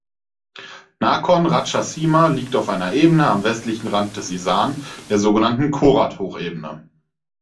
Nakhon Ratchasima liegt auf einer Ebene am westlichen Rand des Isan, der sogenannten Khorat-Hochebene.